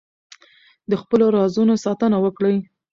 د خپلو رازونو ساتنه وکړئ.